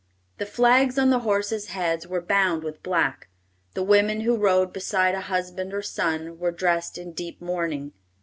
The flags on the horses' heads were bound with black; the women who rode beside a husband or son, were dressed in deep mourning.